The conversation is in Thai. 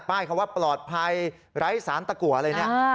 คำว่าปลอดภัยไร้สารตะกัวอะไรเนี่ย